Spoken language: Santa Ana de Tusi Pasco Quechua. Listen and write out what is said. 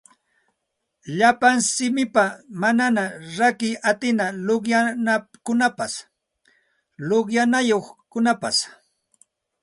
Llapa simipa manaña rakiy atina luqyanakunapas luqyanayuqkunapas